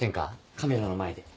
カメラの前で。